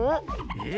え？